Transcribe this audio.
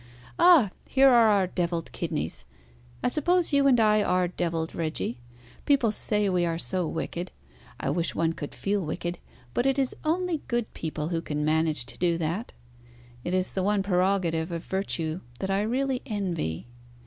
Ah! here are our devilled kidneys. I suppose you and I are devilled, Reggie. People say we are so wicked. I wish one could feel wicked; but it is only good people who can manage to do that. It is the one prerogative of virtue that I really envy.